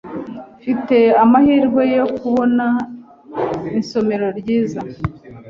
Mfite amahirwe yo kubona isomero ryiza.